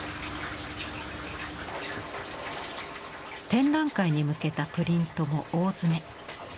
展覧会に向けたプリントも大詰め。